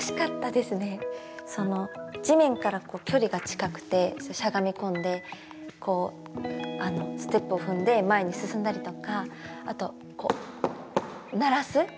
地面から距離が近くてしゃがみこんでステップを踏んで前に進んだりとか、あとこう鳴らす。